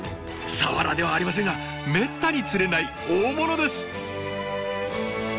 サワラではありませんがめったに釣れない大物です！